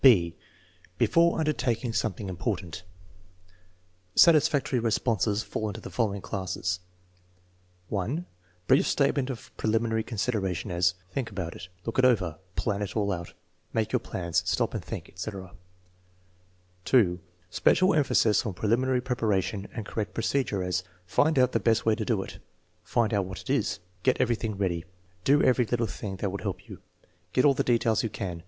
'" (b) Before undertaking something important Satisfactory responses fall into the following classes: (1) Brief statement of preliminary consideration; as: "Think about it." "Look it over." "Plan it all out" "Make your plans/' "Stop and think," etc. (2) Special emphasis on preliminary preparation and correct procedure; as: "Find out the best way to do it." "Find out what it is." "Get everything ready." "Do every little thing that would help you." "Get all the details you can."